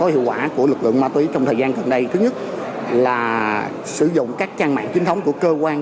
hiệu quả của lực lượng ma túy trong thời gian gần đây thứ nhất là sử dụng các trang mạng chính thống của cơ quan